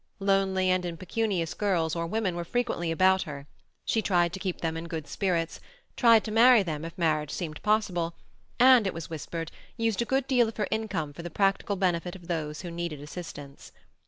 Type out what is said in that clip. Lonely and impecunious girls or women were frequently about her; she tried to keep them in good spirits, tried to marry them if marriage seemed possible, and, it was whispered, used a good deal of her income for the practical benefit of those who needed assistance.